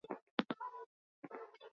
Tira, gauza asko.